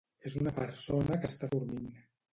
És una persona que està dormint.